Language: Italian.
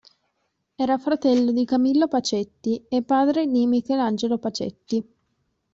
Era fratello di Camillo Pacetti e padre di Michelangelo Pacetti.